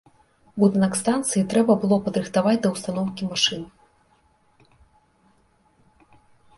Будынак станцыі трэба было падрыхтаваць да ўстаноўкі машын.